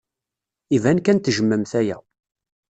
Iban kan tejjmemt aya.